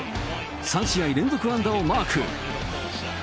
３試合連続安打をマーク。